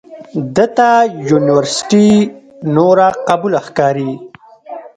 ده ته یونورسټي نوره قبوله ښکاري.